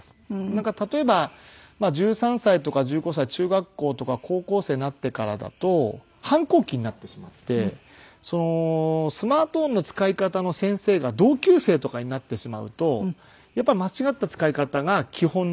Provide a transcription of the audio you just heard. なんか例えば１３歳とか１５歳中学校とか高校生になってからだと反抗期になってしまってスマートフォンの使い方の先生が同級生とかになってしまうとやっぱり間違った使い方が基本になってしまう。